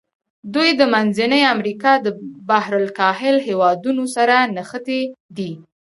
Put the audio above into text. دوی د منځني امریکا د بحر الکاهل هېوادونو سره نښتي دي.